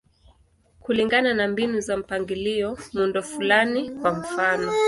Kulingana na mbinu za mpangilio, muundo fulani, kwa mfano.